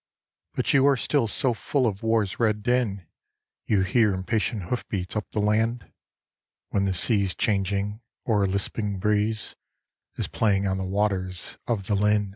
But you are still so full of war's red din, You hear impatient hoof beats up the land When the sea's changing, or a lisping breeze Is playing on the waters of the linn."